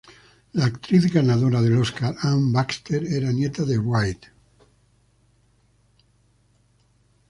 La actriz ganadora del Oscar Anne Baxter era nieta de Wright.